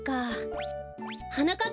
はなかっ